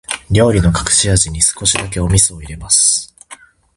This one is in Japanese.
料理の隠し味に、少しだけお味噌を入れます。